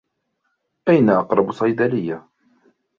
أين أقرب صيدلية ؟